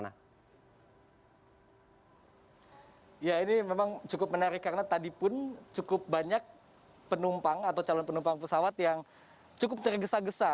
nah ini memang cukup menarik karena tadi pun cukup banyak penumpang atau calon penumpang pesawat yang cukup tergesa gesa